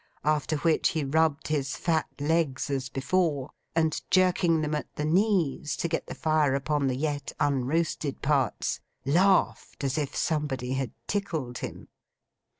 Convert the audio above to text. After which he rubbed his fat legs as before, and jerking them at the knees to get the fire upon the yet unroasted parts, laughed as if somebody had tickled him.